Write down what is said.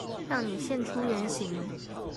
讓你現出原形！